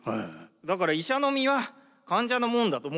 だから医者の身は患者のもんだと。